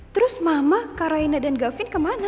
terus mama karaina dan gavin kemana